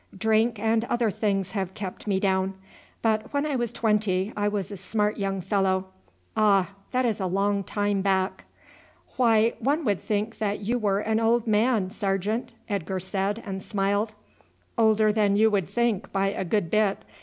Drink and other things have kept me down; but when I was twenty I was a smart young fellow. Ah! that is a long time back." "Why, one would think that you were an old man, sergeant," Edgar said, and smiled. "Older than you would think by a good bit.